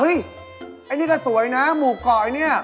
เฮ้ยอันนี้ก็สวยนะหมู่เกาะอันนี้